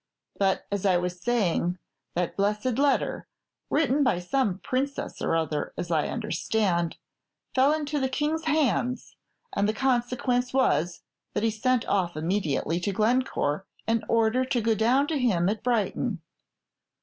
But, as I was saying, that blessed letter, written by some Princess or other, as I understand, fell into the King's hands, and the consequence was that he sent off immediately to Glencore an order to go down to him at Brighton.